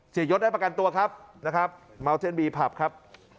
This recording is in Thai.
เสียยศได้ประกันตัวครับนะครับพับครับ